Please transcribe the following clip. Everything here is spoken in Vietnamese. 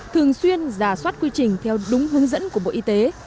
thường xuyên giả soát quy trình theo đúng hướng dẫn của bộ y tế